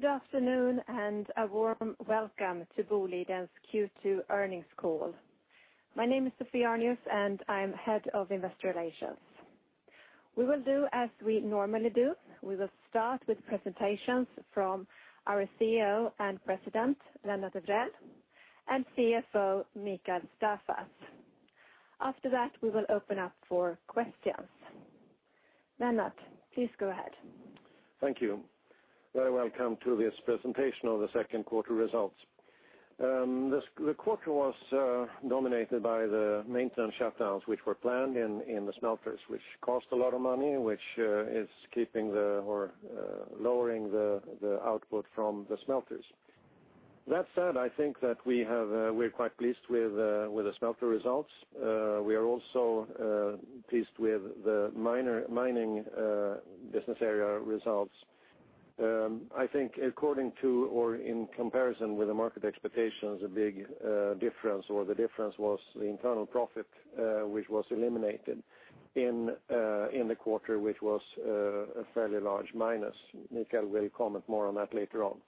Good afternoon, and a warm welcome to Boliden's Q2 earnings call. My name is Sophie Arnius, and I'm Head of Investor Relations. We will do as we normally do. We will start with presentations from our CEO and President, Lennart Evrell, and CFO, Mikael Staffas. After that, we will open up for questions. Lennart, please go ahead. Thank you. Very welcome to this presentation of the second quarter results. The quarter was dominated by the maintenance shutdowns, which were planned in the smelters, which cost a lot of money, which is lowering the output from the smelters. That said, I think that we're quite pleased with the smelter results. We are also pleased with the mining business area results. I think according to or in comparison with the market expectations, a big difference or the difference was the internal profit, which was eliminated in the quarter, which was a fairly large minus. Mikael will comment more on that later on.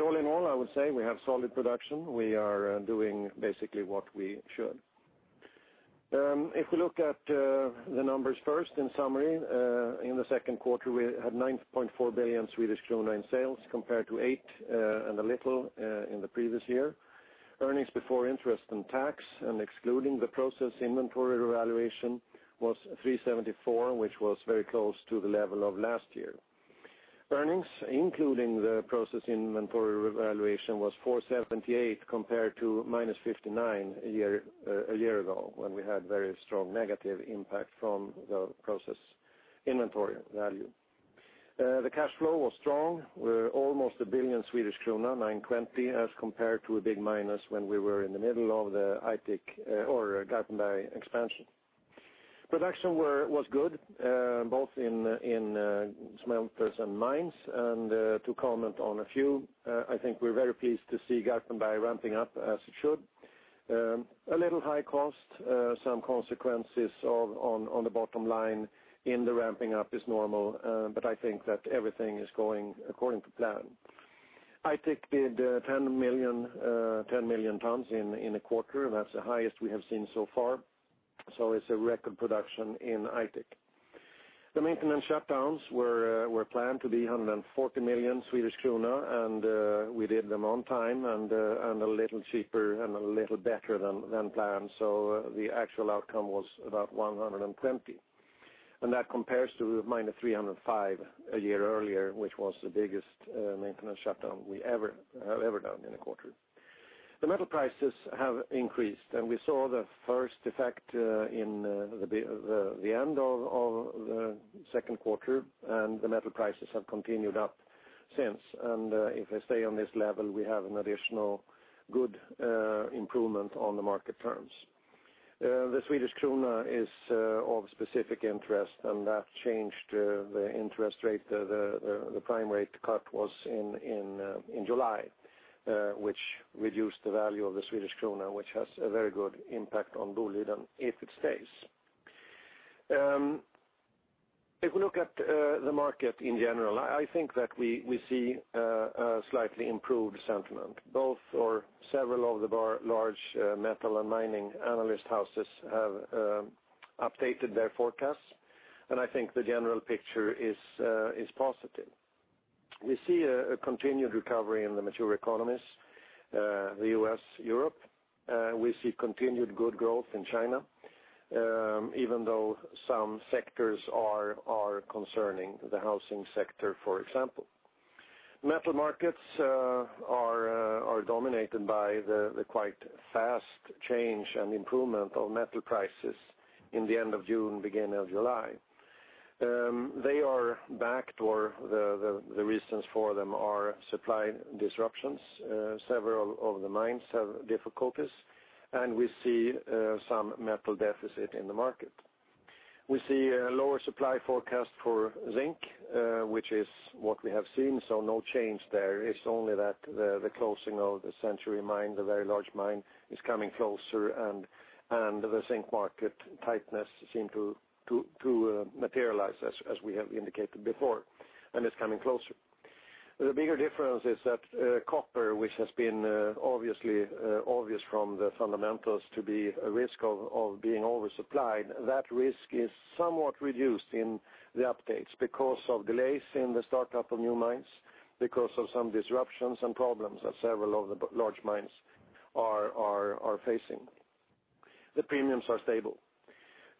All in all, I would say we have solid production. We are doing basically what we should. If we look at the numbers first in summary, in the second quarter, we had 9.4 billion Swedish krona in sales compared to eight and a little in the previous year. Earnings before interest and tax and excluding the process inventory revaluation was 374, which was very close to the level of last year. Earnings, including the process inventory revaluation, was 478 compared to -59 a year ago when we had very strong negative impact from the process inventory value. The cash flow was strong. We're almost 1 billion Swedish krona, 920, as compared to a big minus when we were in the middle of the Garpenberg expansion. Production was good both in smelters and mines, and to comment on a few, I think we're very pleased to see Garpenberg ramping up as it should. A little high cost some consequences on the bottom line in the ramping up is normal, I think that everything is going according to plan. Aitik did 10 million tons in a quarter. That's the highest we have seen so far. It's a record production in Aitik. The maintenance shutdowns were planned to be 140 million Swedish krona, we did them on time and a little cheaper and a little better than planned. The actual outcome was about 120. That compares to -305 a year earlier, which was the biggest maintenance shutdown we have ever done in a quarter. The metal prices have increased, we saw the first effect in the end of the second quarter, the metal prices have continued up since. If they stay on this level, we have an additional good improvement on the market terms. The Swedish krona is of specific interest. That changed the interest rate. The prime rate cut was in July which reduced the value of the Swedish krona, which has a very good impact on Boliden if it stays. We look at the market in general, I think that we see a slightly improved sentiment, both or several of the large metal and mining analyst houses have updated their forecasts, and I think the general picture is positive. We see a continued recovery in the mature economies, the U.S., Europe. We see continued good growth in China even though some sectors are concerning, the housing sector, for example. Metal markets are dominated by the quite fast change and improvement of metal prices in the end of June, beginning of July. They are back, or the reasons for them are supply disruptions. Several of the mines have difficulties. We see some metal deficit in the market. We see a lower supply forecast for zinc, which is what we have seen. No change there. It's only that the closing of the Century Mine, the very large mine, is coming closer, and the zinc market tightness seemed to materialize as we have indicated before, and it's coming closer. The bigger difference is that copper, which has been obvious from the fundamentals to be a risk of being oversupplied, that risk is somewhat reduced in the updates because of delays in the startup of new mines, because of some disruptions and problems that several of the large mines are facing. The premiums are stable.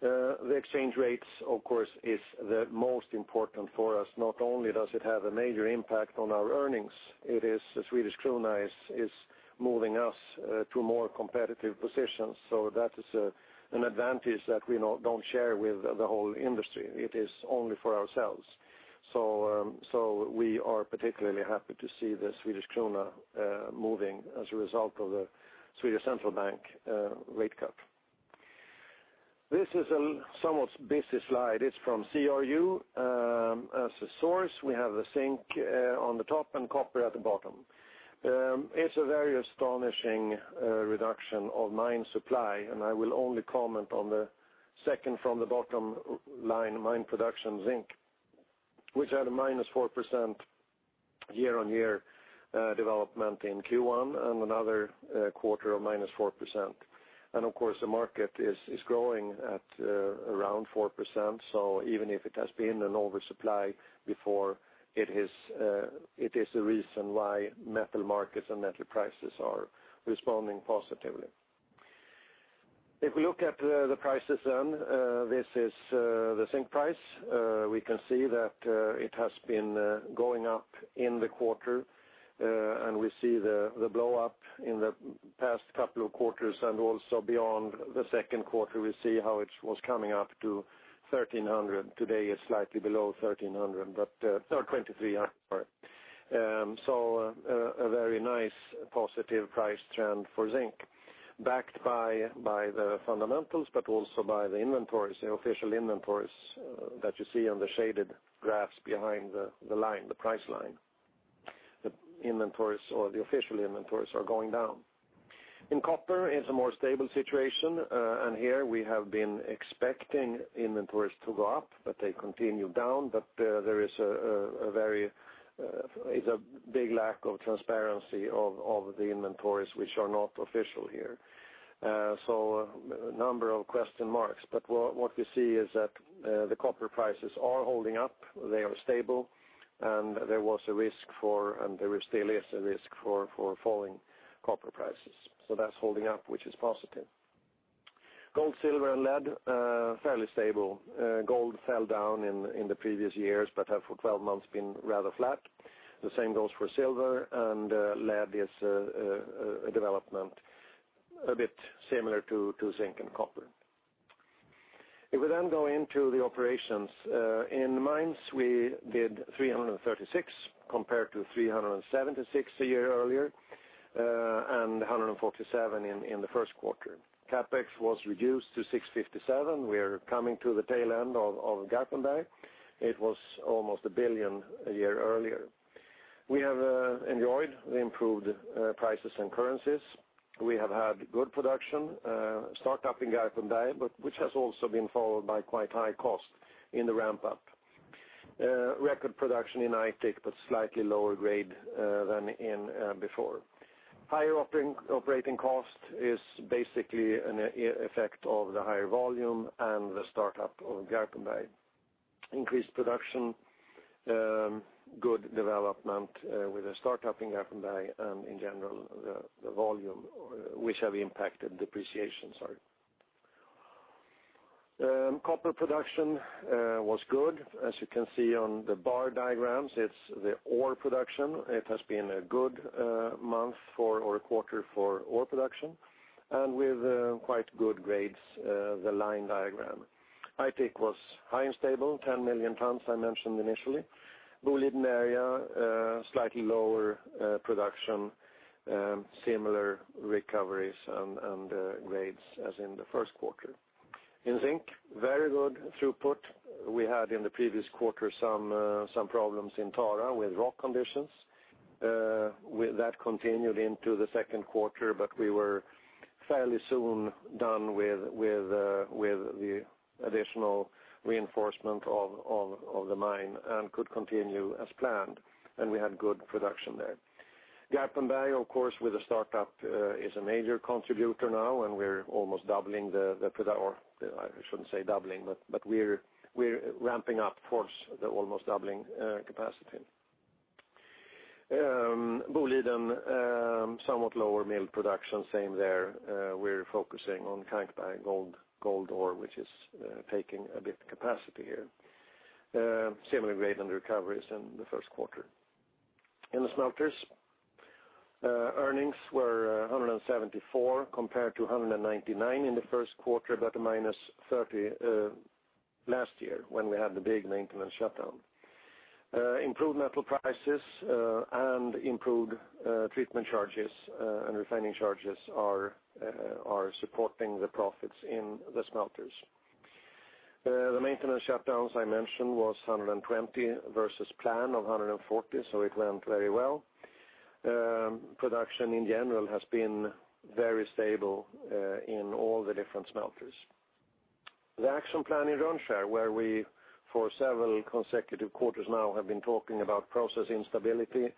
The exchange rates, of course, is the most important for us. Not only does it have a major impact on our earnings, the Swedish krona is moving us to a more competitive position. That is an advantage that we don't share with the whole industry. It is only for ourselves. We are particularly happy to see the Swedish krona moving as a result of the Swedish Central Bank rate cut. This is a somewhat busy slide. It's from CRU as a source. We have the zinc on the top and copper at the bottom. It's a very astonishing reduction of mine supply. I will only comment on the second from the bottom line, mine production zinc, which had a minus 4% year-on-year development in Q1 and another quarter of minus 4%. Of course, the market is growing at around 4%. Even if it has been an oversupply before, it is the reason why metal markets and metal prices are responding positively. We look at the prices then, this is the zinc price. We can see that it has been going up in the quarter, and we see the blow-up in the past couple of quarters and also beyond the second quarter, we see how it was coming up to 1,300. Today, it's slightly below 1,300, or 23, I'm sorry. A very nice positive price trend for zinc, backed by the fundamentals, but also by the inventories, the official inventories that you see on the shaded graphs behind the line, the price line. The inventories or the official inventories are going down. In copper, it's a more stable situation. Here we have been expecting inventories to go up, but they continue down. There is a big lack of transparency of the inventories, which are not official here. A number of question marks, but what we see is that the copper prices are holding up. They are stable, and there was a risk for, and there still is a risk for falling copper prices. That's holding up, which is positive. Gold, silver, and lead, fairly stable. Gold fell down in the previous years, but have for 12 months been rather flat. The same goes for silver and lead is a development a bit similar to zinc and copper. If we then go into the operations. In mines, we did 336 compared to 376 a year earlier, and 147 in the first quarter. CapEx was reduced to 657 million. We're coming to the tail end of Garpenberg. It was almost 1 billion a year earlier. We have enjoyed the improved prices and currencies. We have had good production, startup in Garpenberg, but which has also been followed by quite high cost in the ramp up. Record production in Aitik, but slightly lower grade than before. Higher operating cost is basically an effect of the higher volume and the startup of Garpenberg. Increased production, good development with a startup in Garpenberg and in general, the volume which have impacted depreciation, sorry. Copper production was good. As you can see on the bar diagrams, it's the ore production. It has been a good month or a quarter for ore production. With quite good grades, the line diagram. Aitik was high and stable, 10 million tons, I mentioned initially. Boliden Area, slightly lower production, similar recoveries and grades as in the first quarter. In zinc, very good throughput. We had in the previous quarter some problems in Tara with rock conditions. That continued into the second quarter, but we were fairly soon done with the additional reinforcement of the mine and could continue as planned, and we had good production there. Garpenberg, of course, with the startup is a major contributor now, and we're almost doubling. I shouldn't say doubling, but we're ramping up towards the almost doubling capacity. Boliden, somewhat lower mill production, same there. We're focusing on Kankberg gold ore, which is taking a bit of capacity here. Similar grade and recoveries in the first quarter. In the smelters, earnings were 174 million compared to 199 million in the first quarter, but a minus 30 million last year when we had the big maintenance shutdown. Improved metal prices and improved treatment charges and refining charges are supporting the profits in the smelters. The maintenance shutdowns I mentioned was 120 million versus plan of 140 million. It went very well. Production in general has been very stable in all the different smelters. The action plan in Rönnskär where we, for several consecutive quarters now have been talking about process instability,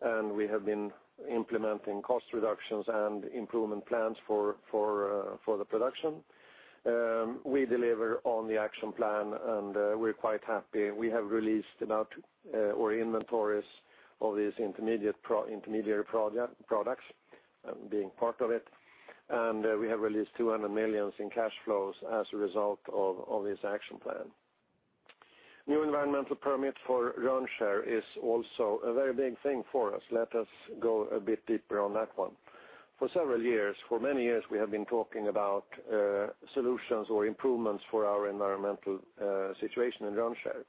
and we have been implementing cost reductions and improvement plans for the production. We deliver on the action plan, and we're quite happy. We have released our inventories of these intermediary products being part of it. We have released 200 million in cash flows as a result of this action plan. New environmental permit for Rönnskär is also a very big thing for us. Let us go a bit deeper on that one. For several years, for many years, we have been talking about solutions or improvements for our environmental situation in Rönnskär.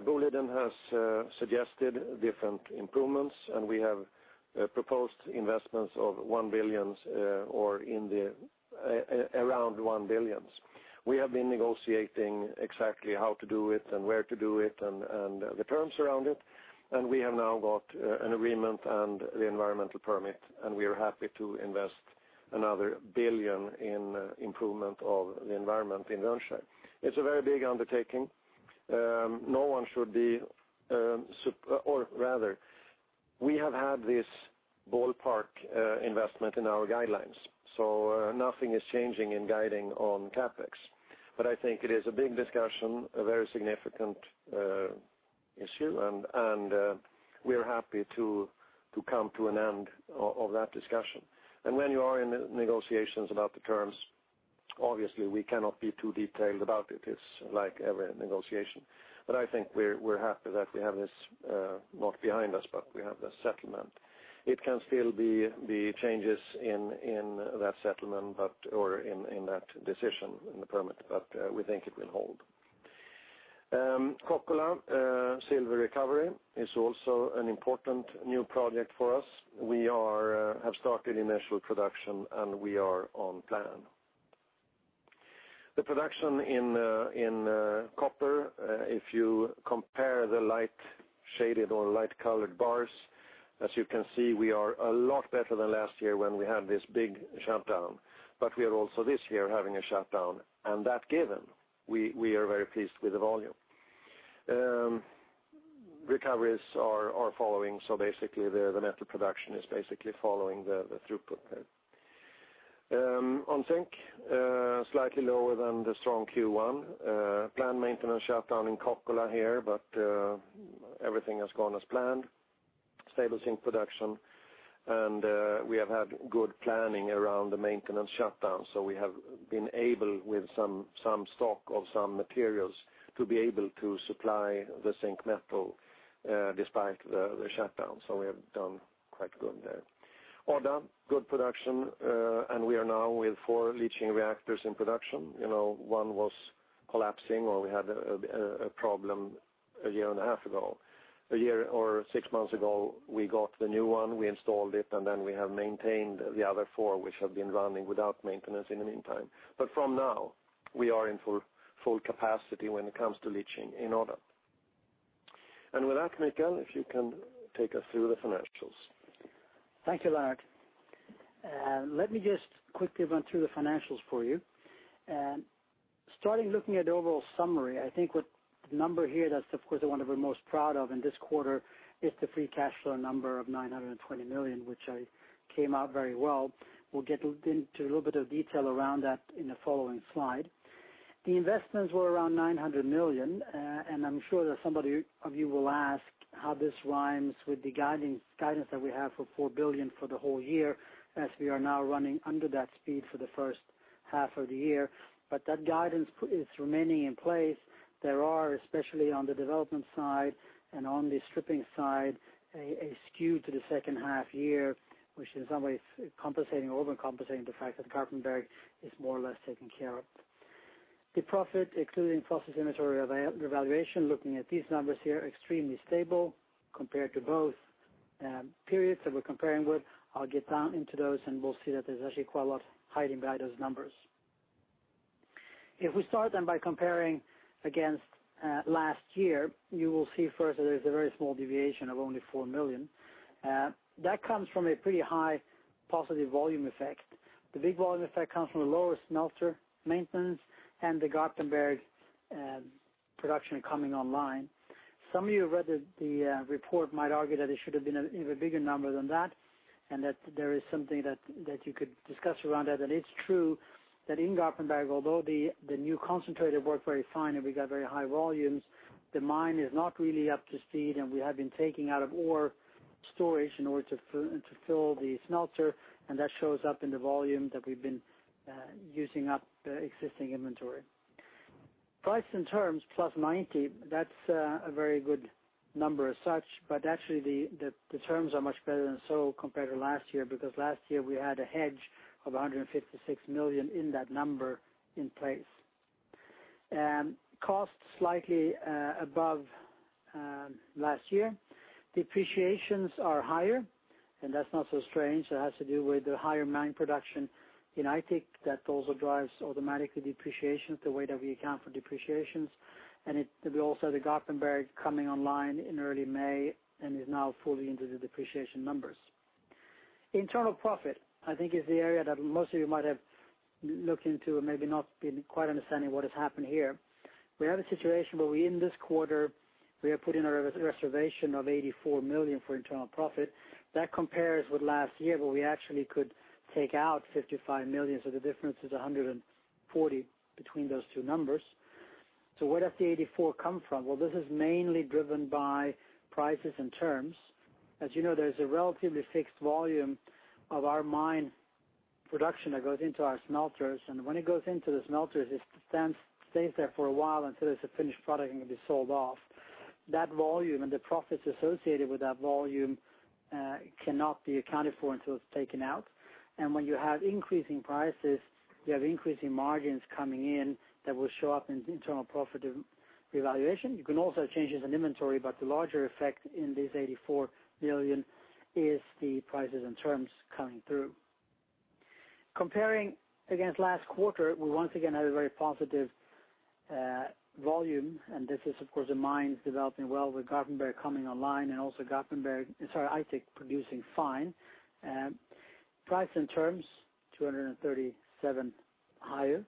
Boliden has suggested different improvements, and we have proposed investments of 1 billion or around 1 billion. We have been negotiating exactly how to do it and where to do it and the terms around it. We have now got an agreement and the environmental permit, and we are happy to invest another 1 billion in improvement of the environment in Rönnskär. It's a very big undertaking. No one should be, or rather, we have had this ballpark investment in our guidelines, so nothing is changing in guiding on CapEx. I think it is a big discussion, a very significant issue, and we are happy to come to an end of that discussion. When you are in negotiations about the terms, obviously, we cannot be too detailed about it. It's like every negotiation. I think we're happy that we have this, not behind us, but we have the settlement. It can still be changes in that settlement or in that decision in the permit, but we think it will hold. Kokkola silver recovery is also an important new project for us. We have started initial production, and we are on plan. The production in copper, if you compare the light shaded or light colored bars, as you can see, we are a lot better than last year when we had this big shutdown. We are also this year having a shutdown, and that given, we are very pleased with the volume. Recoveries are following, so basically, the metal production is basically following the throughput there. On zinc, slightly lower than the strong Q1. Planned maintenance shutdown in Kokkola here, but everything has gone as planned. Stable zinc production. We have had good planning around the maintenance shutdown, so we have been able, with some stock of some materials, to be able to supply the zinc metal despite the shutdown. We have done quite good there. Odda, good production, and we are now with four leaching reactors in production. One was collapsing, or we had a problem a year and a half ago. A year or six months ago, we got the new one, we installed it, and then we have maintained the other four, which have been running without maintenance in the meantime. But from now, we are in full capacity when it comes to leaching in Odda. With that, Mikael, if you can take us through the financials. Thank you, Lennart. Let me just quickly run through the financials for you. Starting looking at the overall summary, I think what the number here that's, of course, the one that we're most proud of in this quarter is the free cash flow number of 920 million, which came out very well. We'll get into a little bit of detail around that in the following slide. The investments were around 900 million, and I'm sure that somebody of you will ask how this rhymes with the guidance that we have for 4 billion for the whole year, as we are now running under that speed for the first half of the year. That guidance is remaining in place. There are, especially on the development side and on the stripping side, a skew to the second half year, which in some ways compensating, overcompensating the fact that Garpenberg is more or less taken care of. The profit, including process inventory revaluation, looking at these numbers here, extremely stable compared to both periods that we're comparing with. I'll get down into those, and we'll see that there's actually quite a lot hiding behind those numbers. If we start by comparing against last year, you will see first that there's a very small deviation of only 4 million. That comes from a pretty high positive volume effect. The big volume effect comes from the lower smelter maintenance and the Garpenberg production coming online. Some of you who read the report might argue that it should have been an even bigger number than that, and that there is something that you could discuss around that. It's true that in Garpenberg, although the new concentrator worked very fine and we got very high volumes, the mine is not really up to speed, and we have been taking out of ore storage in order to fill the smelter, and that shows up in the volume that we've been using up the existing inventory. Price in terms plus 90, that's a very good number as such, but actually the terms are much better than so compared to last year, because last year we had a hedge of 156 million in that number in place. Cost slightly above last year. Depreciations are higher, and that's not so strange. That has to do with the higher mine production in Aitik that also drives automatically depreciation, the way that we account for depreciations. It will be also the Garpenberg coming online in early May and is now fully into the depreciation numbers. Internal profit, I think is the area that most of you might have looked into and maybe not been quite understanding what has happened here. We have a situation where in this quarter, we have put in a reservation of 84 million for internal profit. That compares with last year where we actually could take out 55 million, so the difference is 140 between those two numbers. Where does the 84 come from? Well, this is mainly driven by prices and terms. As you know, there's a relatively fixed volume of our mine production that goes into our smelters, and when it goes into the smelters, it then stays there for a while until it's a finished product and can be sold off. That volume and the profits associated with that volume cannot be accounted for until it's taken out. When you have increasing prices, you have increasing margins coming in that will show up in internal profit revaluation. You can also change as an inventory, but the larger effect in this 84 million is the prices and terms coming through. Comparing against last quarter, we once again had a very positive Volume. This is, of course, the mine is developing well with Garpenberg coming online and also Aitik producing fine. Price in terms, 237 higher.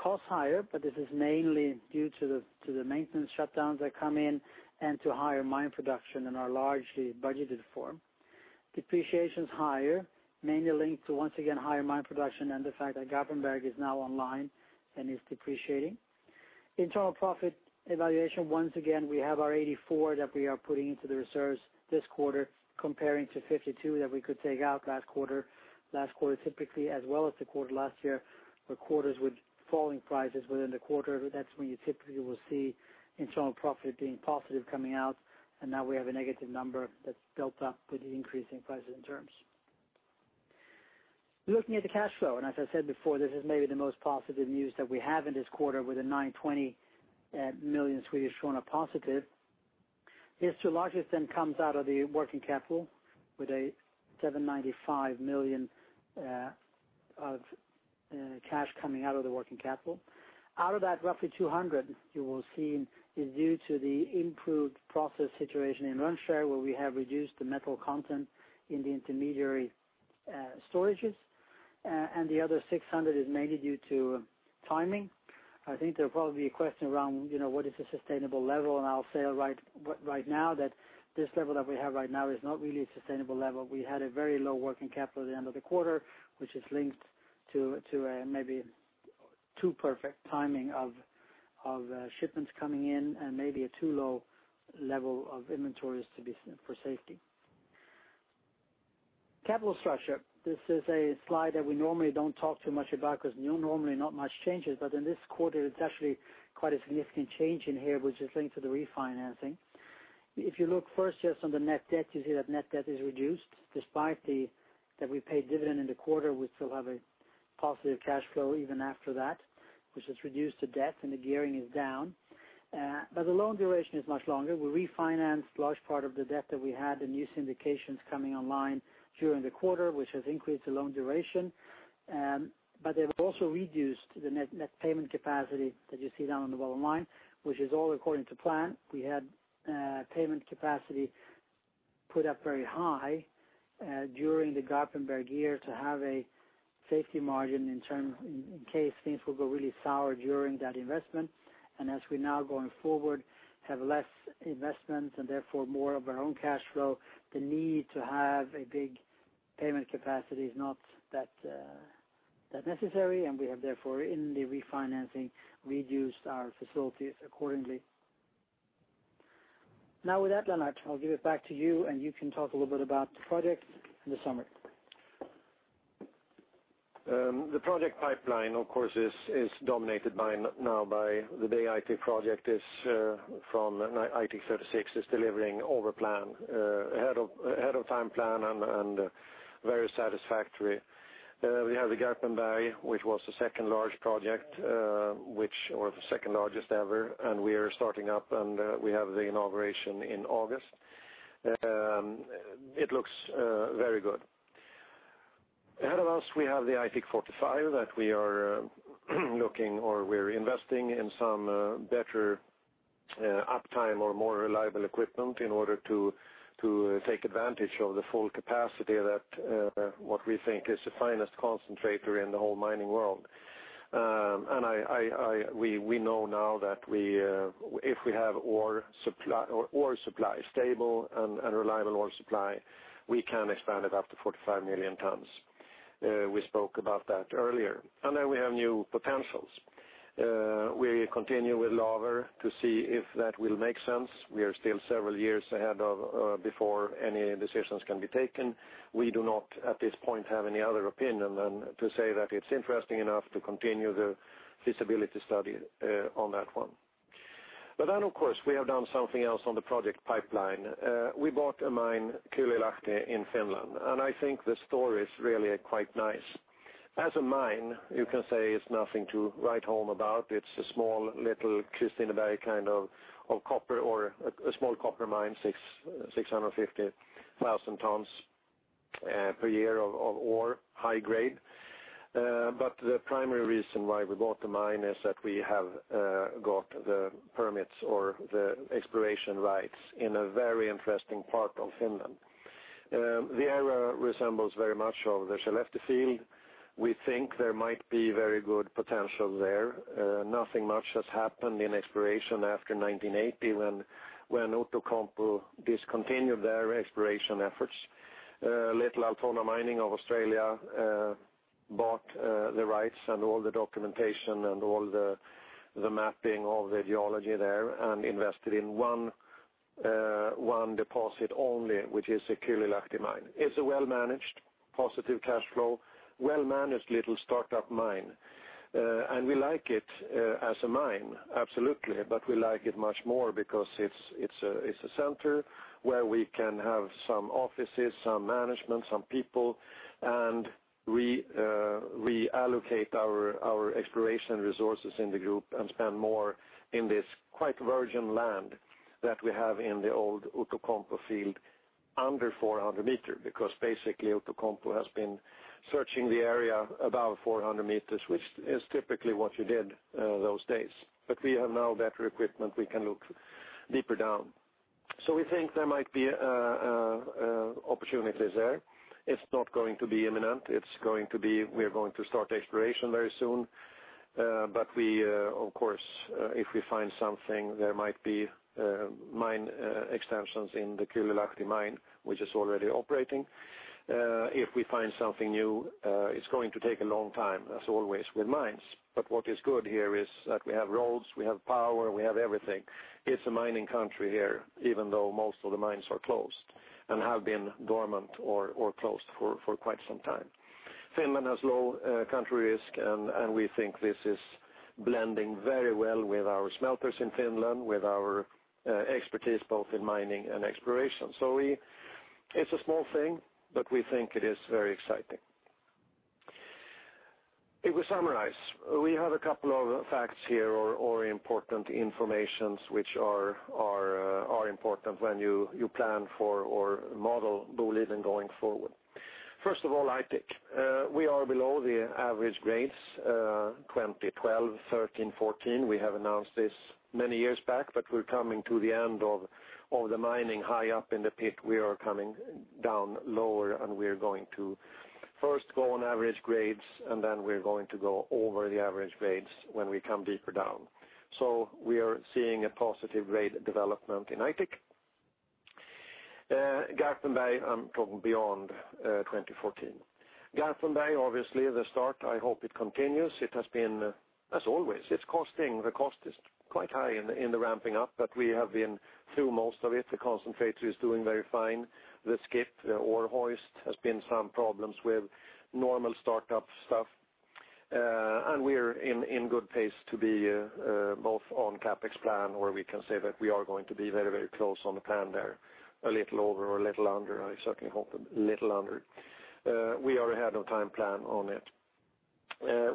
Cost higher. This is mainly due to the maintenance shutdowns that come in and to higher mine production in our largely budgeted form. Depreciation is higher, mainly linked to, once again, higher mine production and the fact that Garpenberg is now online and is depreciating. Internal profit evaluation, once again, we have our 84 that we are putting into the reserves this quarter comparing to 52 that we could take out last quarter. Last quarter, typically, as well as the quarter last year, were quarters with falling prices within the quarter. That's when you typically will see internal profit being positive coming out. Now we have a negative number that's built up with the increase in prices and terms. Looking at the cash flow. As I said before, this is maybe the most positive news that we have in this quarter with a 920 million Swedish krona positive. This largely then comes out of the working capital with a 795 million of cash coming out of the working capital. Out of that, roughly 200 you will see is due to the improved process situation in Rönnskär, where we have reduced the metal content in the intermediary storages. The other 600 is mainly due to timing. I think there will probably be a question around what is a sustainable level. I'll say right now that this level that we have right now is not really a sustainable level. We had a very low working capital at the end of the quarter, which is linked to a maybe too perfect timing of shipments coming in and maybe a too low level of inventories for safety. Capital structure. This is a slide that we normally don't talk too much about because normally not much changes. In this quarter, it's actually quite a significant change in here, which is linked to the refinancing. If you look first just on the net debt, you see that net debt is reduced. Despite that we paid dividend in the quarter, we still have a positive cash flow even after that, which has reduced the debt and the gearing is down. The loan duration is much longer. We refinanced large part of the debt that we had, the new syndications coming online during the quarter, which has increased the loan duration. They've also reduced the net payment capacity that you see down on the bottom line, which is all according to plan. We had payment capacity put up very high during the Garpenberg year to have a safety margin in case things will go really sour during that investment. As we now going forward, have less investment and therefore more of our own cash flow, the need to have a big payment capacity is not that necessary. We have therefore in the refinancing reduced our facilities accordingly. Now with that, Lennart, I'll give it back to you. You can talk a little bit about the project and the summary. The project pipeline, of course, is dominated now by the big Aitik project from Aitik 36 is delivering over plan, ahead of time plan and very satisfactory. We have the Garpenberg, which was the second large project, or the second largest ever, we are starting up and we have the inauguration in August. It looks very good. Ahead of us, we have the Aitik 45 that we're investing in some better uptime or more reliable equipment in order to take advantage of the full capacity that what we think is the finest concentrator in the whole mining world. We know now that if we have ore supply stable and reliable ore supply, we can expand it up to 45 million tonnes. We spoke about that earlier. We have new potentials. We continue with Laver to see if that will make sense. We are still several years ahead of before any decisions can be taken. We do not, at this point, have any other opinion than to say that it's interesting enough to continue the feasibility study on that one. Of course, we have done something else on the project pipeline. We bought a mine, Kylylahti, in Finland, and I think the story is really quite nice. As a mine, you can say it's nothing to write home about. It's a small little Kristineberg kind of copper or a small copper mine, 650,000 tonnes per year of ore, high grade. The primary reason why we bought the mine is that we have got the permits or the exploration rights in a very interesting part of Finland. The area resembles very much of the Skellefte field. We think there might be very good potential there. Nothing much has happened in exploration after 1980 when Outokumpu discontinued their exploration efforts. Little Altona Mining of Australia bought the rights and all the documentation and all the mapping of the geology there and invested in one deposit only, which is the Kylylahti mine. It's a well-managed, positive cash flow, well-managed little start-up mine. We like it as a mine, absolutely, but we like it much more because it's a center where we can have some offices, some management, some people, and reallocate our exploration resources in the group and spend more in this quite virgin land that we have in the old Outokumpu field Under 400 meters, because basically Outokumpu has been searching the area above 400 meters, which is typically what you did those days. We have now better equipment. We can look deeper down. We think there might be opportunities there. It's not going to be imminent. We're going to start exploration very soon. Of course, if we find something, there might be mine extensions in the Kylylahti mine, which is already operating. If we find something new, it's going to take a long time, as always with mines. What is good here is that we have roads, we have power, we have everything. It's a mining country here, even though most of the mines are closed and have been dormant or closed for quite some time. Finland has low country risk, and we think this is blending very well with our smelters in Finland, with our expertise both in mining and exploration. It's a small thing, but we think it is very exciting. If we summarize, we have a couple of facts here, or important informations, which are important when you plan for or model Boliden going forward. First of all, Aitik. We are below the average grades 2012, 2013, 2014. We have announced this many years back, but we are coming to the end of the mining high up in the pit. We are coming down lower, and we are going to first go on average grades, and then we are going to go over the average grades when we come deeper down. So we are seeing a positive grade development in Aitik. Garpenberg, I am talking beyond 2014. Garpenberg, obviously the start, I hope it continues. As always, the cost is quite high in the ramping up, but we have been through most of it. The concentrator is doing very fine. The skip, the ore hoist, has been some problems with normal startup stuff. We are in good pace to be both on CapEx plan, or we can say that we are going to be very close on the plan there. A little over or a little under. I certainly hope a little under. We are ahead of time plan on it.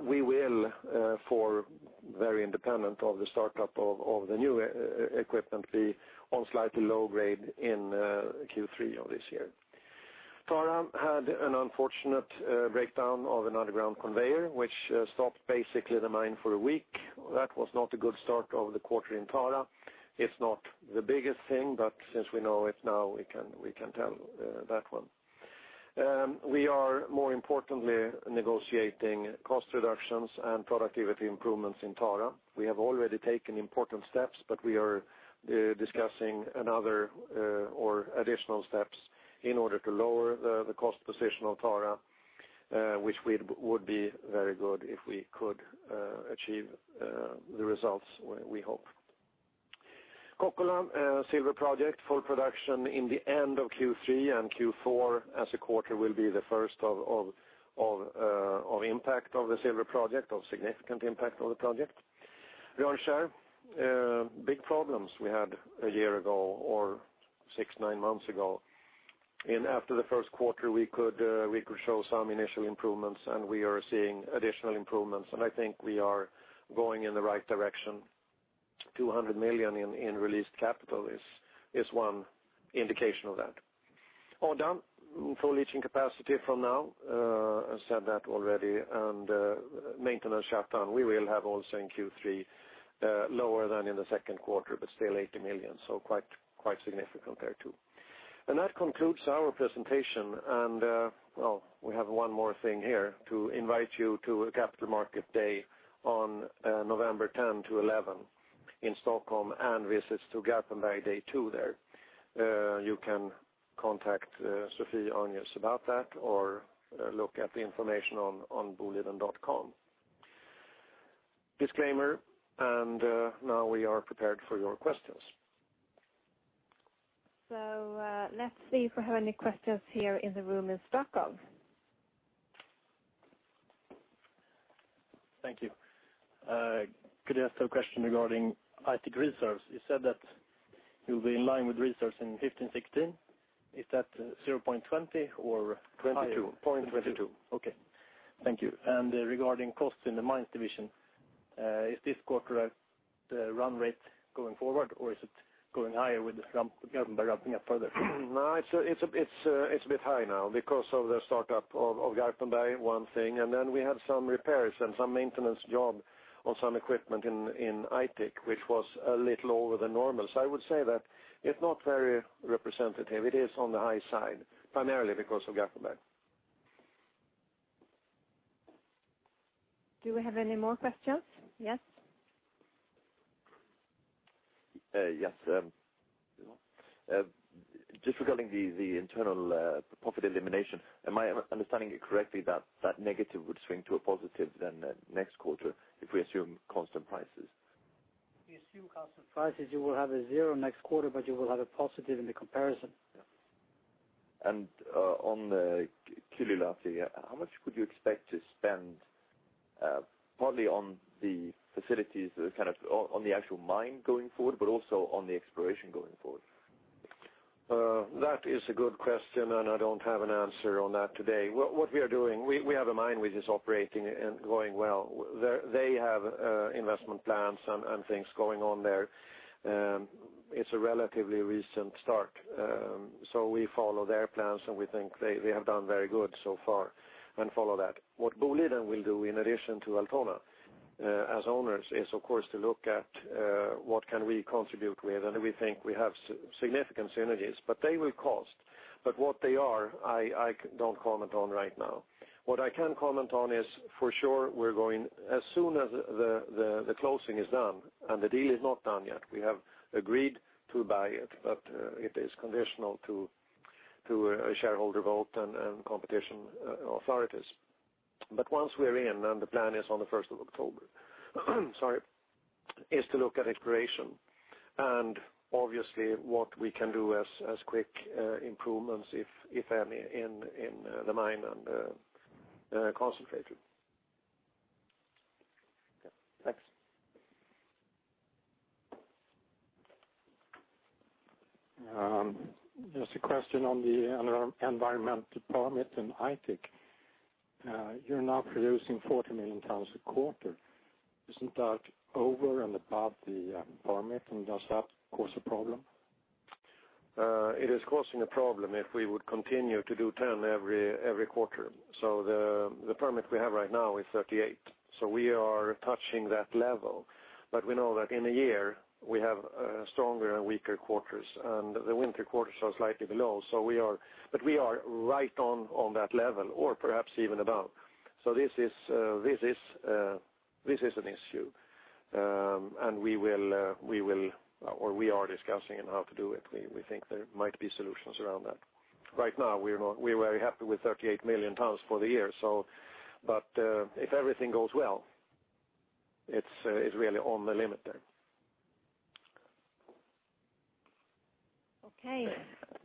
We will, for very independent of the startup of the new equipment, be on slightly low grade in Q3 of this year. Tara had an unfortunate breakdown of an underground conveyor, which stopped basically the mine for a week. That was not a good start of the quarter in Tara. It is not the biggest thing, but since we know it now, we can tell that one. We are more importantly negotiating cost reductions and productivity improvements in Tara. We have already taken important steps, but we are discussing another or additional steps in order to lower the cost position of Tara, which would be very good if we could achieve the results we hope. Kokkola silver project, full production in the end of Q3, and Q4 as a quarter will be the first of impact of the silver project, of significant impact of the project. Rönnskär, big problems we had a year ago or six, nine months ago. After the first quarter, we could show some initial improvements, and we are seeing additional improvements, and I think we are going in the right direction. 200 million in released capital is one indication of that. Odda, full leaching capacity from now, I said that already. Maintenance shutdown, we will have also in Q3, lower than in the second quarter, but still 80 million, so quite significant there too. That concludes our presentation, and, well, we have one more thing here, to invite you to a Capital Markets Day on November 10 to 11 in Stockholm, and visits to Garpenberg, day two there. You can contact Sophie Arnius about that or look at the information on boliden.com. Disclaimer, now we are prepared for your questions. Let's see if we have any questions here in the room in Stockholm. Thank you. Could I ask a question regarding Aitik reserves? You said that you will be in line with reserves in 2015, 2016. Is that 0.20 or higher? 22. 0.22. Okay. Thank you. Regarding costs in the mines division, is this quarter a run rate going forward or is it going higher with Garpenberg ramping up further? No, it's a bit high now because of the startup of Garpenberg, one thing, and then we had some repairs and some maintenance job on some equipment in Aitik, which was a little over the normal. I would say that it's not very representative. It is on the high side, primarily because of Garpenberg. Do we have any more questions? Yes. Yes. Just regarding the internal profit elimination, am I understanding it correctly that that negative would swing to a positive then next quarter if we assume constant prices? If you assume constant prices, you will have a zero next quarter, but you will have a positive in the comparison. On Kylylahti, how much could you expect to spend, partly on the facilities, kind of on the actual mine going forward, but also on the exploration going forward? That is a good question, and I don't have an answer on that today. What we are doing, we have a mine which is operating and going well. They have investment plans and things going on there. It's a relatively recent start. We follow their plans, and we think they have done very good so far, and follow that. What Boliden will do in addition to Altona as owners is, of course, to look at what can we contribute with, and we think we have significant synergies. They will cost. What they are, I don't comment on right now. What I can comment on is for sure we're going, as soon as the closing is done, and the deal is not done yet. We have agreed to buy it, but it is conditional to a shareholder vote and competition authorities. Once we're in, the plan is on the 1st of October. Sorry, to look at exploration, and obviously what we can do as quick improvements, if any, in the mine and the concentrator. Yeah. Thanks. Just a question on the environmental permit in Aitik. You're now producing 40 million tons a quarter. Isn't that over and above the permit, and does that cause a problem? It is causing a problem if we would continue to do 10 every quarter. The permit we have right now is 38. We are touching that level. We know that in a year we have stronger and weaker quarters, and the winter quarters are slightly below. We are right on that level or perhaps even above. This is an issue. We are discussing on how to do it. We think there might be solutions around that. Right now, we're very happy with 38 million tons for the year. If everything goes well, it's really on the limit there. Okay.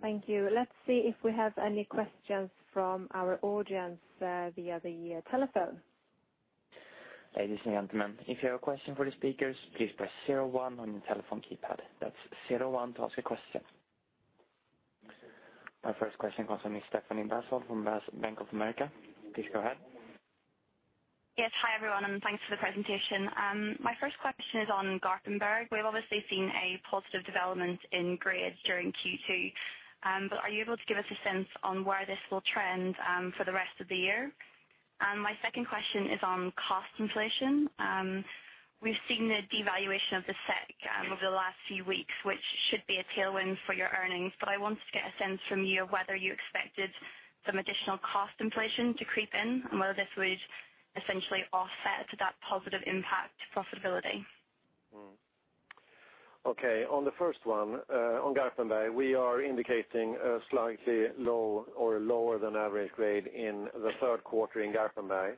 Thank you. Let's see if we have any questions from our audience via the telephone. Ladies and gentlemen, if you have a question for the speakers, please press 01 on your telephone keypad. That's 01 to ask a question. Our first question comes from Stephanie Bothwell from Bank of America. Please go ahead. Yes. Hi, everyone, and thanks for the presentation. My first question is on Garpenberg. We've obviously seen a positive development in grades during Q2. Are you able to give us a sense on where this will trend for the rest of the year? My second question is on cost inflation. We've seen the devaluation of the SEK over the last few weeks, which should be a tailwind for your earnings. I wanted to get a sense from you of whether you expected some additional cost inflation to creep in, and whether this would essentially offset that positive impact to profitability. Okay. On the first one, on Garpenberg, we are indicating a slightly low or lower than average grade in the third quarter in Garpenberg.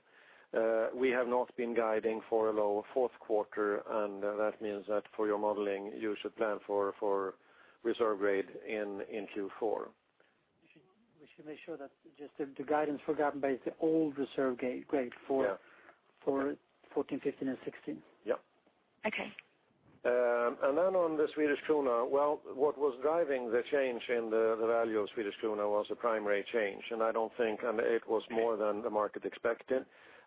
We have not been guiding for a low fourth quarter, that means that for your modeling, you should plan for reserve grade in Q4. We should make sure that just the guidance for Garpenberg is the old reserve grade for- Yeah 14, 15, and 16. Yep. Okay. On the Swedish krona, what was driving the change in the value of Swedish krona was a primary change. I don't think it was more than the market expected.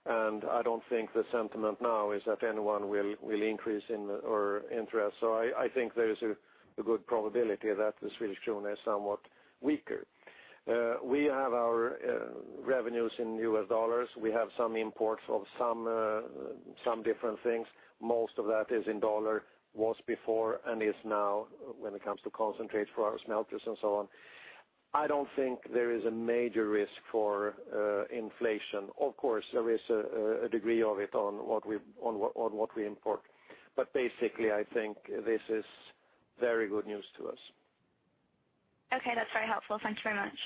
I don't think the sentiment now is that anyone will increase in our interest. I think there is a good probability that the Swedish krona is somewhat weaker. We have our revenues in US dollars. We have some imports of some different things. Most of that is in dollar, was before, and is now when it comes to concentrates for our smelters and so on. I don't think there is a major risk for inflation. Of course, there is a degree of it on what we import. Basically, I think this is very good news to us. Okay. That's very helpful. Thank you very much.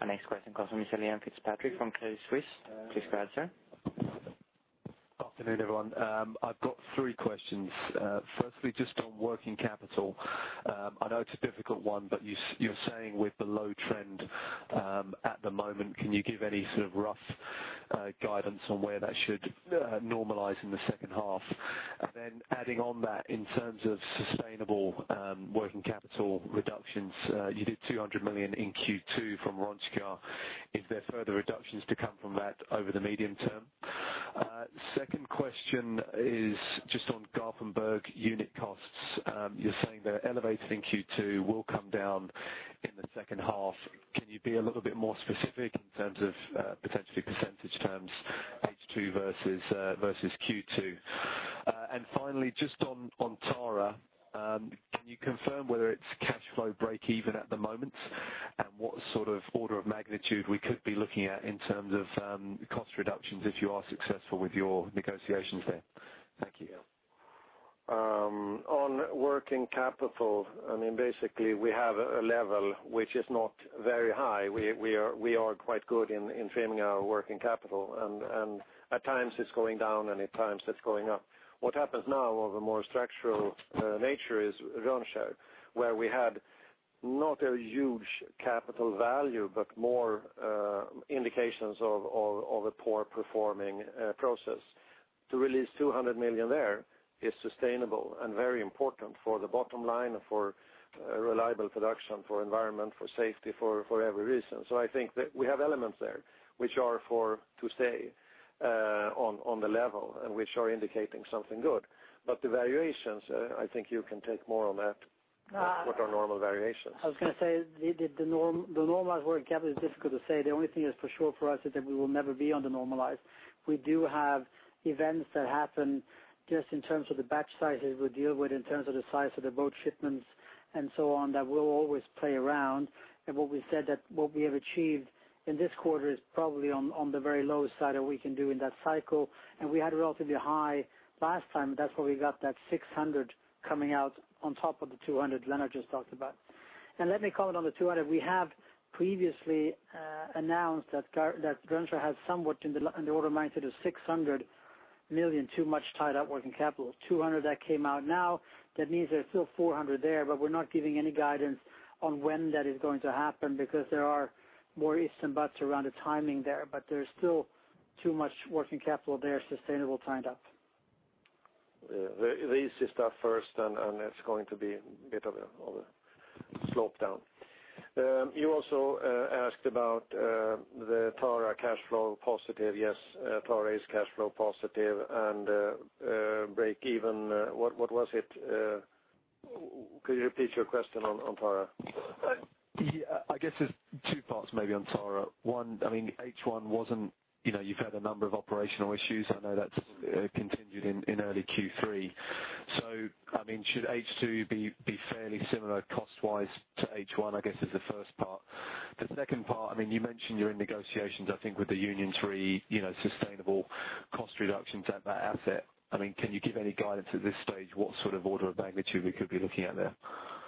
Our next question comes from Liam Fitzpatrick from Credit Suisse. Please go ahead, sir. Afternoon, everyone. I've got three questions. Firstly, just on working capital. I know it's a difficult one, but you're saying with the low trend at the moment, can you give any sort of rough guidance on where that should normalize in the second half? Adding on that in terms of sustainable working capital reductions, you did 200 million in Q2 from Rönnskär. Is there further reductions to come from that over the medium term? Second question is just on Garpenberg unit costs. You're saying they're elevated in Q2, will come down in the second half. Can you be a little bit more specific in terms of potentially percentage terms, H2 versus Q2? Finally, just on Tara, can you confirm whether it's cash flow breakeven at the moment? What sort of order of magnitude we could be looking at in terms of cost reductions if you are successful with your negotiations there? Thank you. On working capital, basically we have a level which is not very high. We are quite good in framing our working capital, and at times it's going down, and at times it's going up. What happens now of a more structural nature is Rönnskär, where we had not a huge capital value, but more indications of a poor performing process. To release 200 million there is sustainable, very important for the bottom line, for reliable production, for environment, for safety, for every reason. I think that we have elements there which are to stay on the level and which are indicating something good. The variations, I think you can take more on that, what are normal variations. I was going to say, the normalized working capital is difficult to say. The only thing that's for sure for us is that we will never be on the normalized. We do have events that happen just in terms of the batch sizes we deal with, in terms of the size of the boat shipments and so on, that will always play around. What we said that what we have achieved in this quarter is probably on the very low side of what we can do in that cycle. We had relatively high last time. That's where we got that 600 coming out on top of the 200 Lennart just talked about. Let me comment on the 200. We have previously announced that Rönnskär has somewhat in the order mindset of 600 million too much tied up working capital, 200 that came out now, that means there's still 400 there, we're not giving any guidance on when that is going to happen because there are more ifs and buts around the timing there's still too much working capital there, sustainable, tied up. The easy stuff first. It's going to be a bit of a slope down. You also asked about the Tara cash flow positive. Yes, Tara is cash flow positive and break even. What was it? Could you repeat your question on Tara? I guess there's two parts maybe on Tara. One, H1 you've had a number of operational issues. I know that's continued in early Q3. Should H2 be fairly similar cost-wise to H1, I guess is the first part. The second part, you mentioned you're in negotiations, I think with the union to realize sustainable cost reductions at that asset. Can you give any guidance at this stage what sort of order of magnitude we could be looking at there?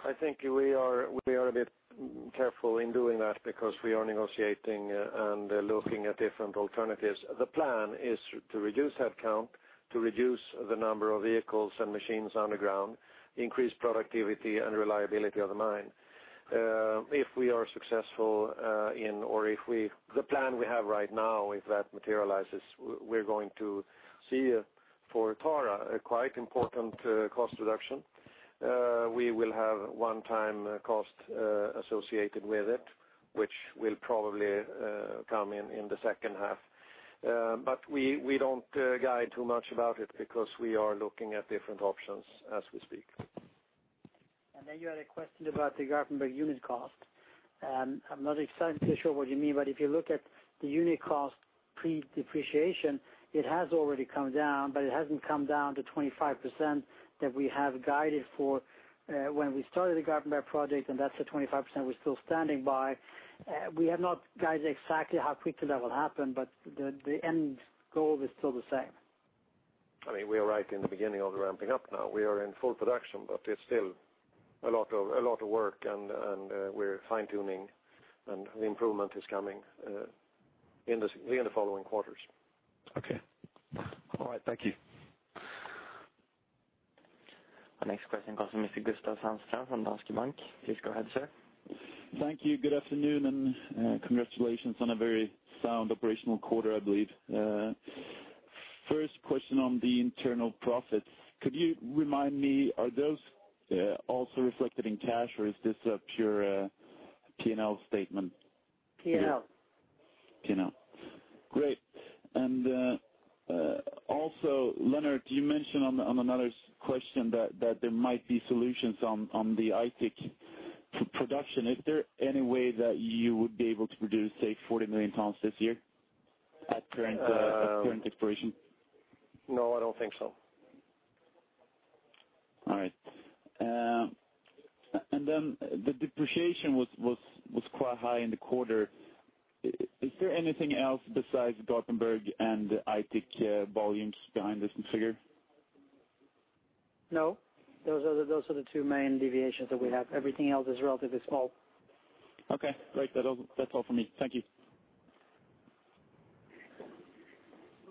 I think we are a bit careful in doing that because we are negotiating and looking at different alternatives. The plan is to reduce headcount, to reduce the number of vehicles and machines underground, increase productivity and reliability of the mine. If we are successful or the plan we have right now, if that materializes, we're going to see for Tara a quite important cost reduction. We will have one-time cost associated with it, which will probably come in the second half. We don't guide too much about it because we are looking at different options as we speak. You had a question about the Garpenberg unit cost. I'm not exactly sure what you mean, but if you look at the unit cost pre-depreciation, it has already come down, but it hasn't come down to 25% that we have guided for when we started the Garpenberg project. That's the 25% we're still standing by. We have not guided exactly how quickly that will happen, but the end goal is still the same. We are right in the beginning of the ramping up now. We are in full production, but it's still a lot of work and we're fine-tuning, and the improvement is coming in the following quarters. Okay. All right. Thank you. Our next question comes from Mr. Gustav Sandström from Danske Bank. Please go ahead, sir. Thank you. Good afternoon, congratulations on a very sound operational quarter, I believe. First question on the internal profits. Could you remind me, are those also reflected in cash or is this a pure P&L statement? P&L. P&L. Great. Also, Lennart, you mentioned on another question that there might be solutions on the Aitik production. Is there any way that you would be able to produce, say, 40 million tons this year at current operation? No, I don't think so. All right. Then the depreciation was quite high in the quarter. Is there anything else besides Garpenberg and Aitik volumes behind this figure? No, those are the two main deviations that we have. Everything else is relatively small. Okay, great. That's all from me. Thank you.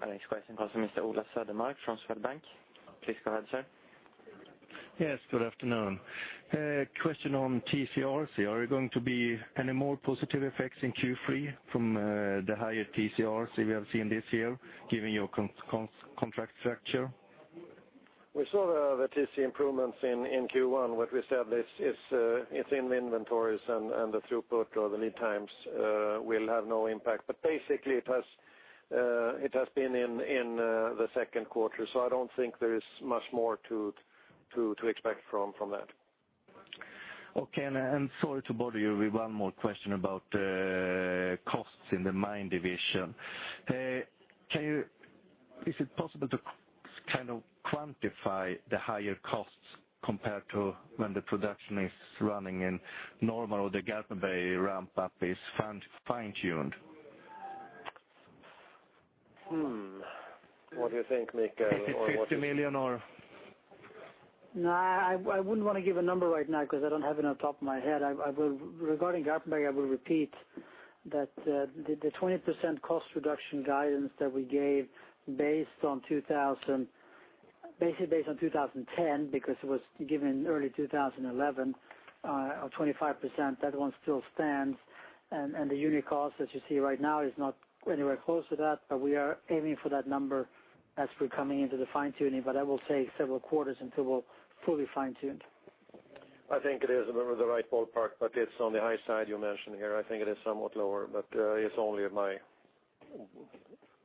Our next question comes from Mr. Ola Södermark from Swedbank. Please go ahead, sir. Yes, good afternoon. Question on TCR. Are there going to be any more positive effects in Q3 from the higher TCRs we have seen this year given your contract structure? We saw the TCR improvements in Q1. What we said is it's in the inventories and the throughput or the lead times will have no impact. Basically it has been in the second quarter, so I don't think there is much more to expect from that. Okay, sorry to bother you with one more question about costs in the mine division. Is it possible to quantify the higher costs compared to when the production is running in normal or the Garpenberg ramp-up is fine-tuned? What do you think, Mikael? 50 million. No, I wouldn't want to give a number right now because I don't have it on top of my head. Regarding Garpenberg, I will repeat that the 20% cost reduction guidance that we gave basically based on 2010, because it was given early 2011, of 25%, that one still stands. The unit cost as you see right now is not anywhere close to that, but we are aiming for that number as we're coming into the fine-tuning. That will take several quarters until we're fully fine-tuned. I think it is a member of the right ballpark, but it's on the high side you mention here. I think it is somewhat lower, but it's only my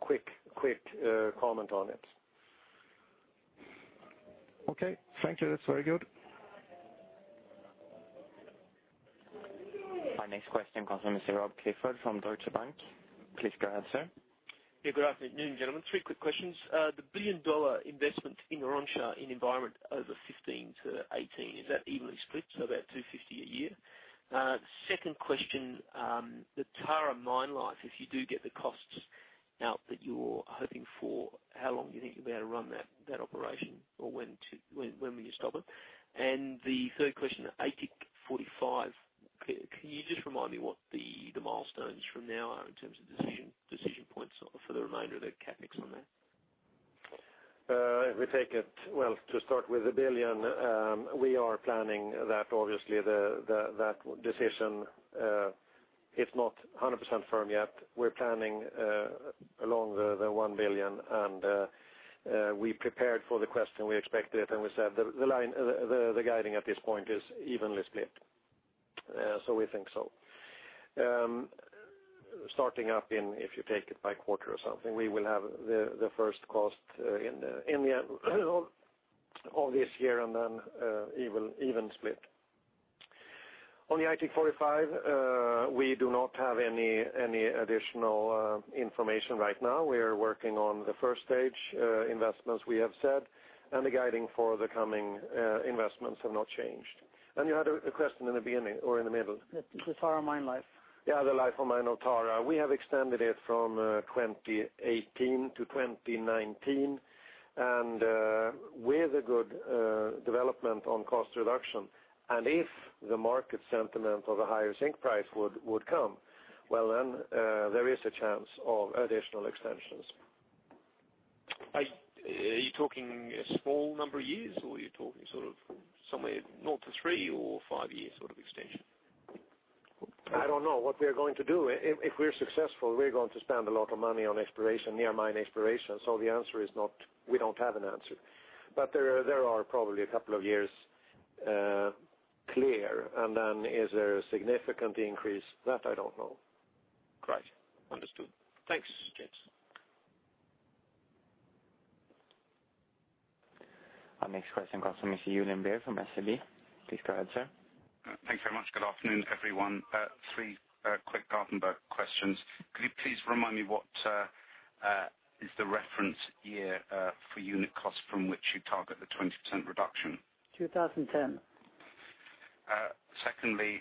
quick comment on it. Okay, thank you. That's very good. Our next question comes from Mr. Rob Clifford from Deutsche Bank. Please go ahead, sir. Good afternoon, gentlemen. Three quick questions. The billion-dollar investment in Rönnskär in environment over 2015 to 2018, is that evenly split, so about 250 a year? Second question, the Tara mine life, if you do get the costs out that you're hoping for, how long you think you'll be able to run that operation, or when will you stop it? The third question, Aitik 45, can you just remind me what the milestones from now are in terms of decision points for the remainder of the CapEx on that? If we take it, well, to start with the 1 billion, we are planning that. Obviously, that decision is not 100% firm yet. We are planning along the 1 billion and we prepared for the question, we expect it, and we said the guiding at this point is evenly split. We think so. Starting up in, if you take it by quarter or something, we will have the first cost in all this year and then even split. On the Aitik 45, we do not have any additional information right now. We are working on the stage 1 investments we have set, and the guiding for the coming investments have not changed. You had a question in the beginning or in the middle. The Tara mine life. Yeah, the life of mine on Tara. We have extended it from 2018 to 2019 and with a good development on cost reduction, and if the market sentiment of a higher zinc price would come, well then there is a chance of additional extensions. Are you talking a small number of years, or are you talking sort of somewhere nought to three or five years sort of extension? I don't know what we're going to do. If we're successful, we're going to spend a lot of money on exploration, near mine exploration. The answer is we don't have an answer. There are probably a couple of years clear, and then is there a significant increase? That I don't know. Great. Understood. Thanks. Our next question comes from Mr. Julian Beer from SEB. Please go ahead, sir. Thanks very much. Good afternoon, everyone. Three quick Garpenberg questions. Could you please remind me what is the reference year for unit cost from which you target the 20% reduction? 2010. Secondly,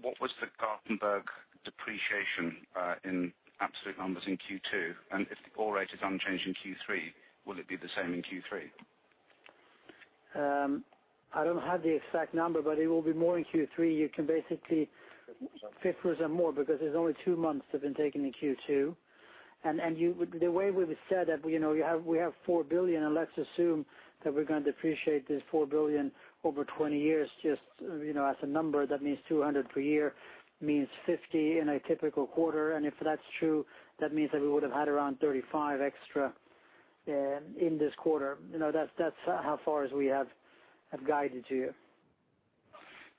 what was the Garpenberg depreciation in absolute numbers in Q2? If the ore rate is unchanged in Q3, will it be the same in Q3? I don't have the exact number, it will be more in Q3. You can basically FIFOs are more because there's only two months that have been taken in Q2. The way we've said that we have 4 billion, let's assume that we're going to depreciate this 4 billion over 20 years just as a number. That means 200 per year, means 50 in a typical quarter. If that's true, that means that we would have had around 35 extra in this quarter. That's how far as we have guided you.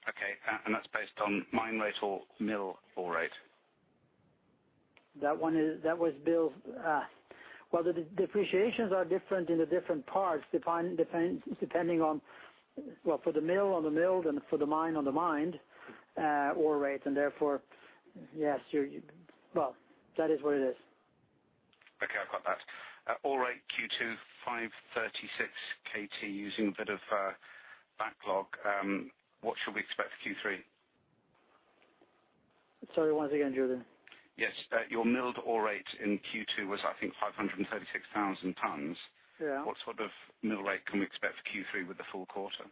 Okay. That's based on mine rate or mill ore rate? That was Bill's. The depreciations are different in the different parts, depending on, for the mill on the milled and for the mine on the mined ore rate. Therefore, yes. That is what it is. Okay, I've got that. Ore rate Q2 536 KT using a bit of backlog. What should we expect for Q3? Sorry, once again, Julian. Yes. Your milled ore rate in Q2 was I think 536,000 tons. Yeah. What sort of mill rate can we expect for Q3 with the full quarter?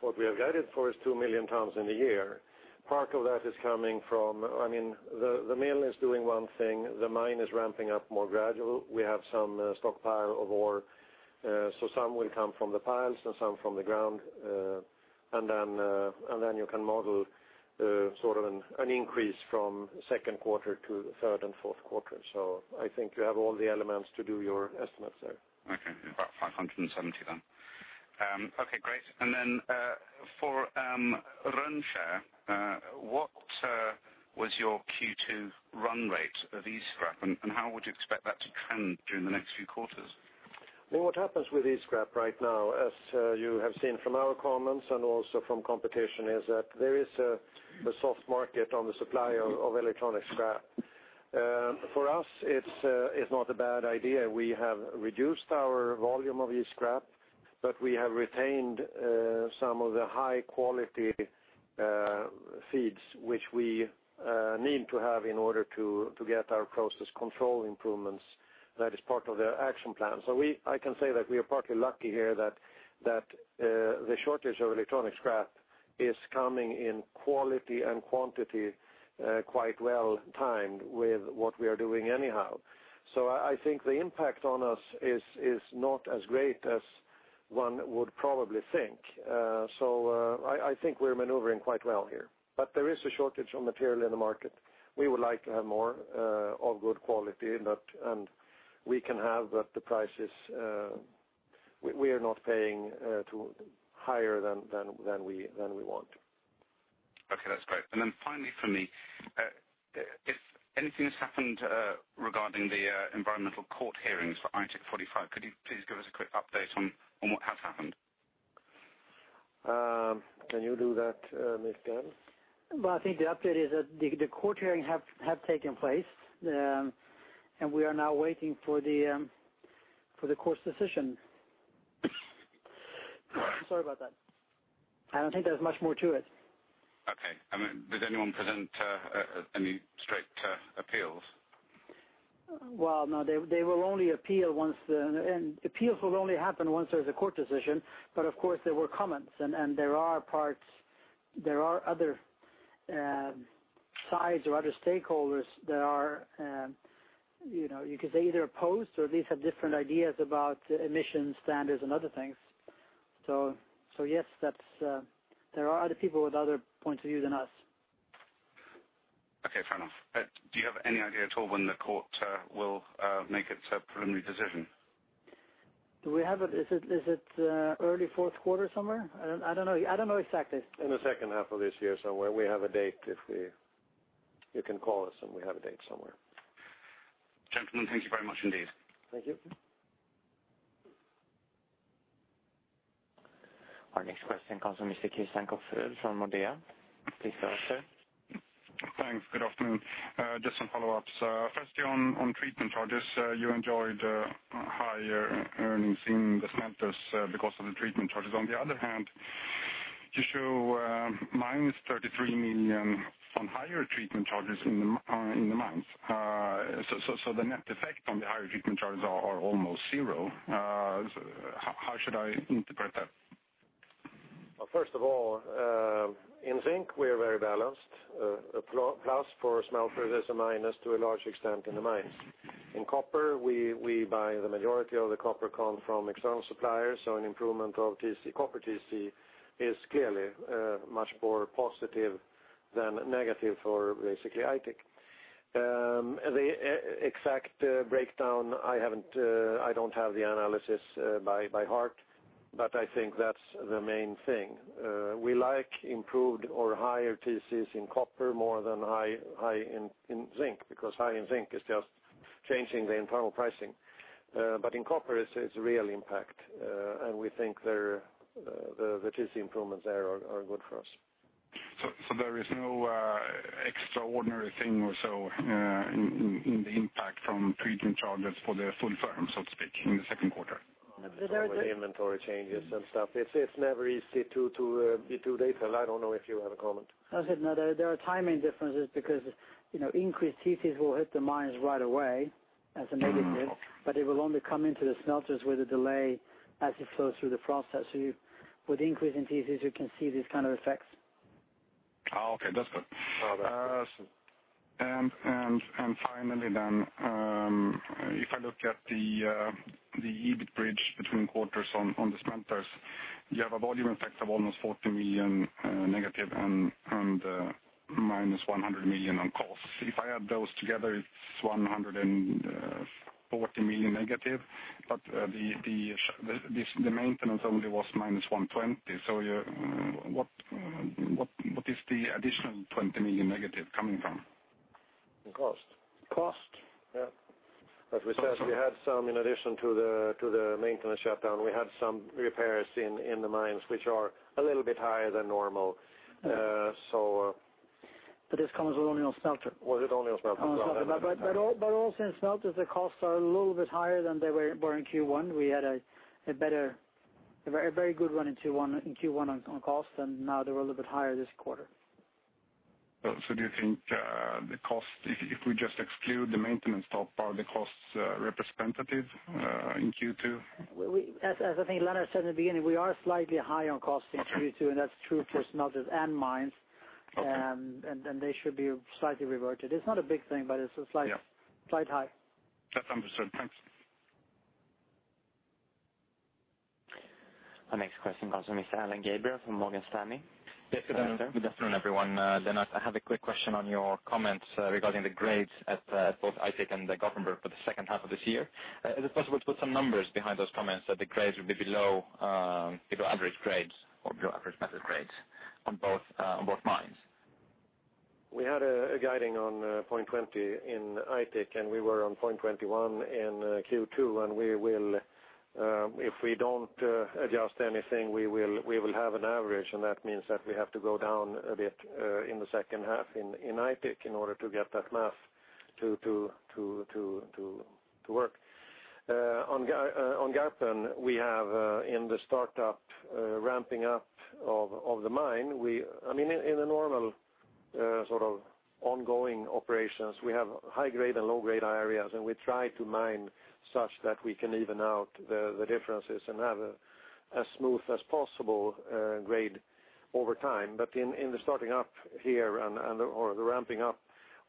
What we have guided for is 2 million tons in a year. Part of that is coming from, the mill is doing one thing, the mine is ramping up more gradual. We have some stockpile of ore. Some will come from the piles and some from the ground. Then you can model an increase from second quarter to third and fourth quarter. I think you have all the elements to do your estimates there. Okay. About 570 then. Okay, great. Then for Rönnskär, what was your Q2 run rate of E-scrap, and how would you expect that to trend during the next few quarters? Well, what happens with E-scrap right now, as you have seen from our comments and also from competition, is that there is a soft market on the supply of electronic scrap. For us, it's not a bad idea. We have reduced our volume of E-scrap, but we have retained some of the high-quality feeds which we need to have in order to get our process control improvements. That is part of the action plan. I can say that we are partly lucky here that the shortage of electronic scrap is coming in quality and quantity quite well timed with what we are doing anyhow. I think the impact on us is not as great as one would probably think. I think we're maneuvering quite well here. There is a shortage of material in the market. We would like to have more of good quality. We can have that. We are not paying higher than we want. Okay, that's great. Finally from me, if anything has happened regarding the environmental court hearings for Aitik 45, could you please give us a quick update on what has happened? Can you do that, Micke? Well, I think the update is that the court hearings have taken place, and we are now waiting for the court's decision. Sorry about that. I don't think there's much more to it. Okay. Did anyone present any straight appeals? Well, no, appeals will only happen once there's a court decision. Of course, there were comments, and there are other sides or other stakeholders that are, you could say, either opposed or at least have different ideas about emissions standards and other things. Yes, there are other people with other points of view than us. Okay, fair enough. Do you have any idea at all when the court will make its preliminary decision? Do we have it? Is it early fourth quarter somewhere? I don't know exactly. In the second half of this year somewhere. You can call us and we have a date somewhere. Gentlemen, thank you very much indeed. Thank you. Our next question comes from Mr. Christian Kopfer from Nordea. Please go ahead, sir. Thanks. Good afternoon. Just some follow-ups. Firstly, on treatment charges, you enjoyed higher earnings in the smelters because of the treatment charges. On the other hand, you show minus 33 million on higher treatment charges in the mines. the net effect on the higher treatment charges are almost zero. How should I interpret that? Well, first of all, in zinc, we are very balanced. A plus for a smelter is a minus to a large extent in the mines. In copper, we buy the majority of the copper come from external suppliers. An improvement of copper TC is clearly much more positive than negative for basically Aitik. The exact breakdown, I don't have the analysis by heart, but I think that's the main thing. We like improved or higher TC's in copper more than high in zinc, because high in zinc is just changing the internal pricing. In copper, it's real impact. We think the TC improvements there are good for us. There is no extraordinary thing or so in the impact from treatment charges for the full term, so to speak, in the second quarter? With the inventory changes and stuff, it's never easy to be too detailed. I don't know if you have a comment. As in now, there are timing differences because increased TC's will hit the mines right away as a negative, but it will only come into the smelters with a delay as it flows through the process. With increase in TC's, you can see these kind of effects. Okay, that's good. finally then, if I look at the EBIT bridge between quarters on the smelters, you have a volume effect of almost 40 million negative and minus 100 million on costs. If I add those together, it's 140 million negative, but the maintenance only was minus 120. what is the additional 20 million negative coming from? The cost. Cost. Yeah. As we said, in addition to the maintenance shutdown, we had some repairs in the mines, which are a little bit higher than normal. this comes with only on smelter. Was it only on smelter? Also in smelters, the costs are a little bit higher than they were in Q1. We had a very good run in Q1 on cost, and now they're a little bit higher this quarter. Do you think the cost, if we just exclude the maintenance part, are the costs representative in Q2? As I think Lennart said in the beginning, we are slightly high on cost in Q2, and that's true for smelters and mines. Okay. They should be slightly reverted. It's not a big thing, but it's a slight high. That's understood. Thanks. Our next question comes from Mr. Alain Gabriel from Morgan Stanley. Yes. Go ahead, sir. Good afternoon, everyone. Lennart, I have a quick question on your comments regarding the grades at both Aitik and Garpenberg for the second half of this year. Is it possible to put some numbers behind those comments that the grades will be below average grades or below average metal grades on both mines? We had a guidance on 0.20 in Aitik, and we were on 0.21 in Q2, and if we don't adjust anything, we will have an average, and that means that we have to go down a bit in the second half in Aitik in order to get that math to work. On Garpen, we have in the startup ramping up of the mine. In a normal sort of ongoing operations, we have high-grade and low-grade areas, and we try to mine such that we can even out the differences and have as smooth as possible grade over time. in the starting up here or the ramping up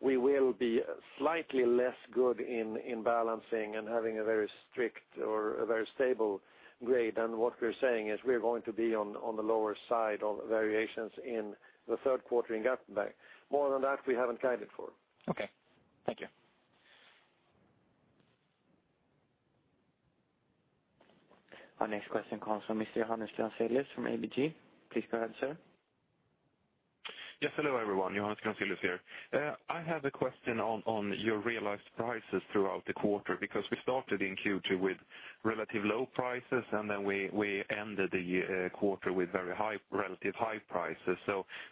we will be slightly less good in balancing and having a very strict or a very stable grade. what we're saying is we are going to be on the lower side of variations in the third quarter in Garpenberg. More than that, we haven't guided for. Okay. Thank you. Our next question comes from Mr. Johannes Grunselius from ABG. Please go ahead, sir. Yes. Hello, everyone. Johannes Grunselius here. I have a question on your realized prices throughout the quarter, because we started in Q2 with relative low prices, and then we ended the quarter with very relative high prices.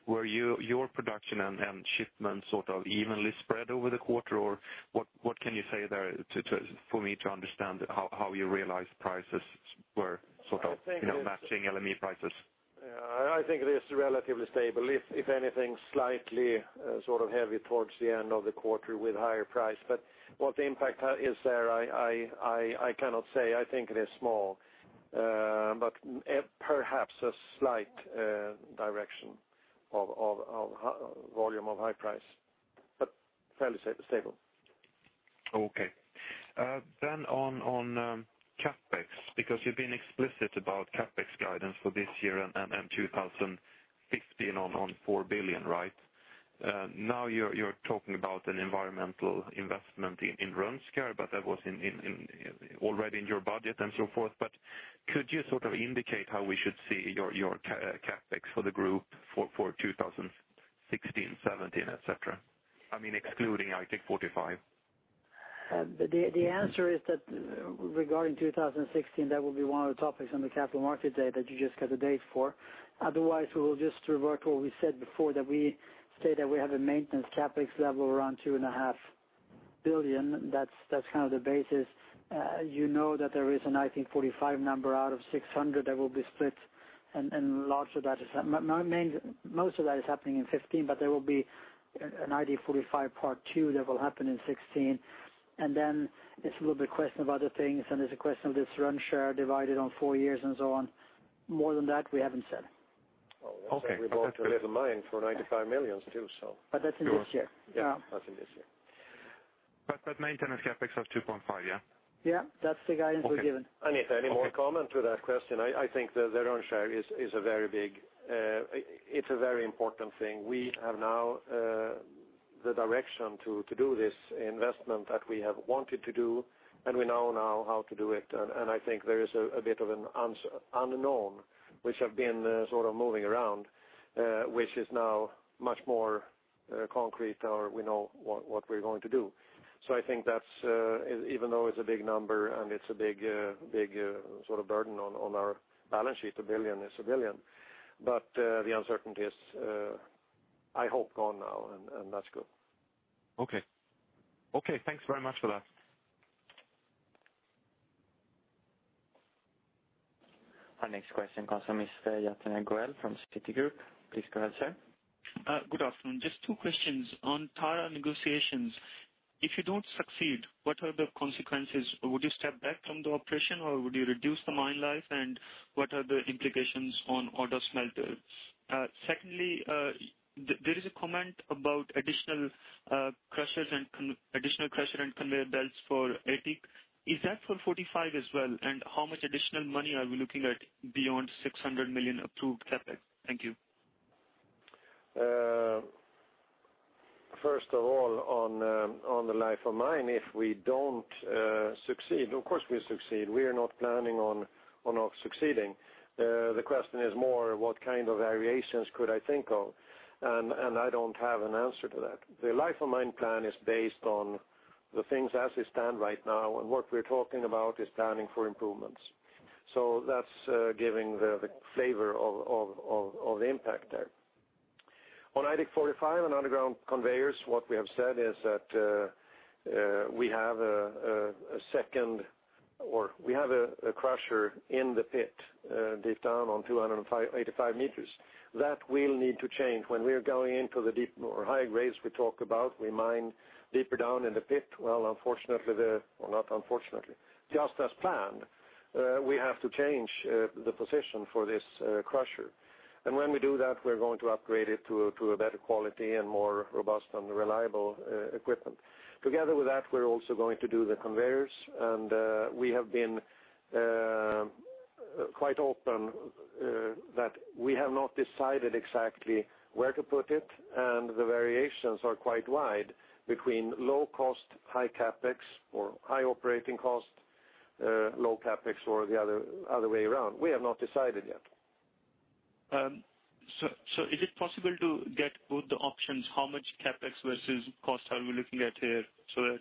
Were your production and shipments sort of evenly spread over the quarter, or what can you say there for me to understand how you realized prices were sort of matching LME prices? I think it is relatively stable. If anything, slightly sort of heavy towards the end of the quarter with higher price. What the impact is there, I cannot say. I think it is small. Perhaps a slight direction of volume of high price, but fairly stable. Okay. On CapEx, because you've been explicit about CapEx guidance for this year and 2015 on 4 billion, right? Now you're talking about an environmental investment in Rönnskär, but that was already in your budget and so forth. Could you sort of indicate how we should see your CapEx for the group for 2016, 2017, et cetera? I mean, excluding, Aitik 45. The answer is that regarding 2016, that will be one of the topics on the Capital Markets Day that you just got a date for. Otherwise, we will just revert to what we said before, that we state that we have a maintenance CapEx level around 2.5 billion. That's kind of the basis. You know that there is an, I think, 45 number out of 600 that will be split, and most of that is happening in 2015, but there will be an Aitik 45 part two that will happen in 2016. It's a little bit question of other things, and it's a question of this Rönnskär divided on four years and so on. More than that, we haven't said. Okay. We bought a copper mine for 95 million too, so. That's in this year. Yeah. That's in this year. maintenance CapEx was 2.5, yeah? Yeah. That's the guidance we've given. Okay. If any more comment to that question, I think the Rönnskär, it's a very important thing. We have now the direction to do this investment that we have wanted to do, and we know now how to do it. I think there is a bit of an unknown which have been sort of moving around, which is now much more concrete, or we know what we're going to do. I think even though it's a big number and it's a big sort of burden on our balance sheet, a billion is a billion. The uncertainty is, I hope, gone now, and that's good. Okay. Thanks very much for that. Our next question comes from Mr. Jatinder Goel from Citigroup. Please go ahead, sir. Good afternoon. Just two questions. On Tara negotiations, if you don't succeed, what are the consequences? Would you step back from the operation, or would you reduce the mine life, and what are the implications on Odda smelter? Secondly, there is a comment about additional crusher and conveyor belts for Aitik. Is that for 45 as well, and how much additional money are we looking at beyond 600 million approved CapEx? Thank you. First of all, on the life of mine, if we don't succeed. Of course, we succeed. We are not planning on not succeeding. The question is more, what kind of variations could I think of? I don't have an answer to that. The life of mine plan is based on the things as they stand right now, and what we're talking about is planning for improvements. That's giving the flavor of the impact there. On Aitik 45 and underground conveyors, what we have said is that we have a crusher in the pit, deep down on 285 meters. That we'll need to change. When we are going into the deep or high grades we talked about, we mine deeper down in the pit. Well, unfortunately, or not unfortunately, just as planned, we have to change the position for this crusher. When we do that, we're going to upgrade it to a better quality and more robust and reliable equipment. Together with that, we're also going to do the conveyors, and we have been quite open that we have not decided exactly where to put it, and the variations are quite wide between low cost, high CapEx, or high operating cost, low CapEx, or the other way around. We have not decided yet. Is it possible to get both the options, how much CapEx versus cost are we looking at here, so that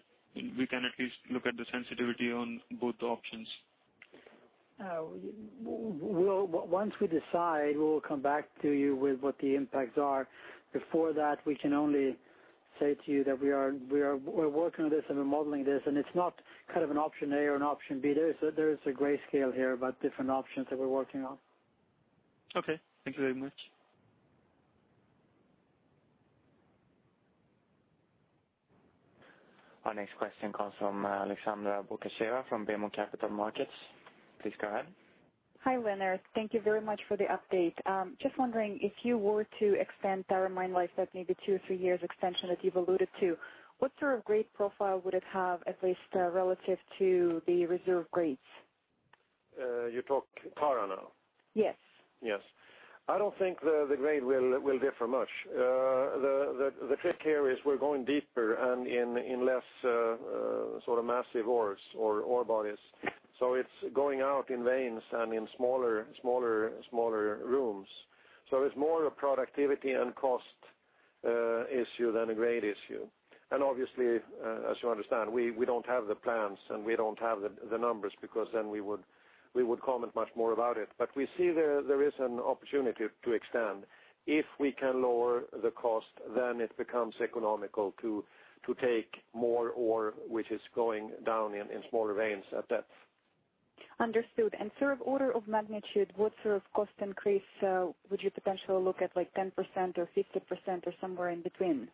we can at least look at the sensitivity on both options? Once we decide, we will come back to you with what the impacts are. Before that, we can only say to you that we're working on this and we're modeling this, and it's not kind of an option A or an option B. There is a gray scale here about different options that we're working on. Okay. Thank you very much. Our next question comes from Aleksandra Bukacheva from BMO Capital Markets. Please go ahead. Hi, Lennart. Thank you very much for the update. Just wondering, if you were to extend Tara mine life that maybe two or three years extension that you've alluded to, what sort of grade profile would it have, at least relative to the reserve grades? You talk Tara now? Yes. Yes. I don't think the grade will differ much. The trick here is we're going deeper and in less massive ores or ore bodies. It's going out in veins and in smaller rooms. It's more a productivity and cost issue than a grade issue. Obviously, as you understand, we don't have the plans and we don't have the numbers because then we would comment much more about it. We see there is an opportunity to extend. If we can lower the cost, then it becomes economical to take more ore, which is going down in smaller veins at depth. Understood. Sort of order of magnitude, what sort of cost increase would you potentially look at, like 10% or 50% or somewhere in between?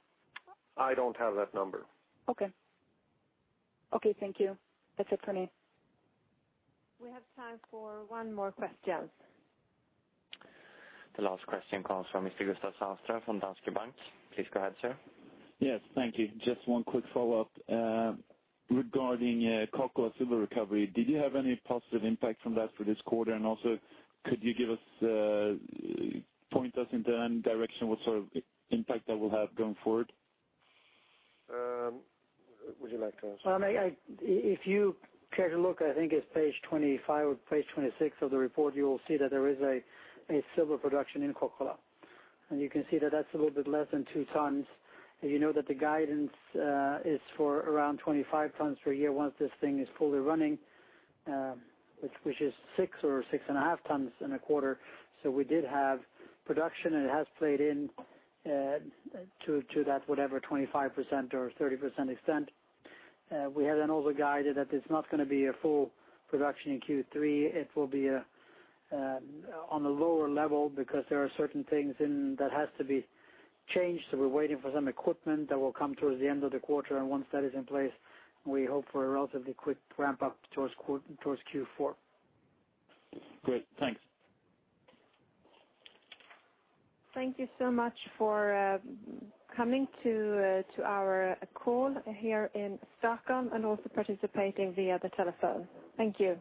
I don't have that number. Okay. Thank you. That's it for me. We have time for one more question. The last question comes from Mr. Gustav Sandström from Danske Bank. Please go ahead, sir. Yes. Thank you. Just one quick follow-up. Regarding Kokkola silver recovery, did you have any positive impact from that for this quarter? also could you point us in the direction what sort of impact that will have going forward? Would you like to answer? If you care to look, I think it's page 25 or page 26 of the report, you will see that there is a silver production in Kokkola. You can see that that's a little bit less than two tons. You know that the guidance is for around 25 tons per year once this thing is fully running, which is six or six and a half tons in a quarter. We did have production and it has played in to that, whatever, 25% or 30% extent. We had then also guided that it's not going to be a full production in Q3. It will be on a lower level because there are certain things in that has to be changed. We're waiting for some equipment that will come towards the end of the quarter, and once that is in place, we hope for a relatively quick ramp up towards Q4. Great. Thanks. Thank you so much for coming to our call here in Stockholm and also participating via the telephone. Thank you.